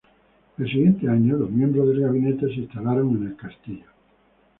Al siguiente año, los miembros del gabinete se instalaron en el castillo.